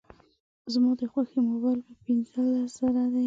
زما د خوښي موبایل په پینځلس زره دی